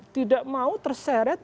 tidak mau terseret